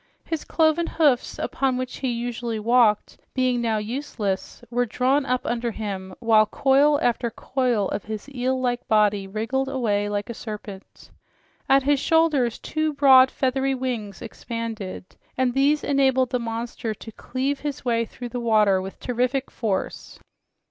His cloven hoofs, upon which he usually walked, being now useless, were drawn up under him, while coil after coil of his eel like body wriggled away like a serpent. At his shoulders two broad, feathery wings expanded, and these enabled the monster to cleave his way through the water with terrific force.